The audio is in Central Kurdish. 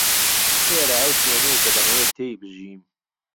ئێرە ئەو شوێنەیە کە دەمەوێت تێی بژیم.